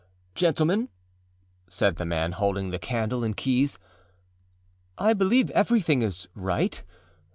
âGentlemen,â said the man holding the candle and keys, âI believe everything is right.